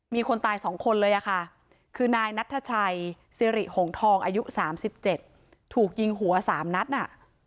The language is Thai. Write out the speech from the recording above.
มีคนตายสองคนเลยอะค่ะคือนายนัทชัยสิริหงทองอายุสามสิบเจ็ดถูกยิงหัวสามนัทน่ะ